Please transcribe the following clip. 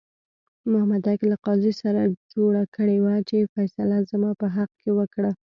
مامدک له قاضي سره جوړه کړې وه چې فیصله زما په حق کې وکړه.